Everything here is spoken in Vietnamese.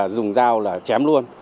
dùng dao là chém luôn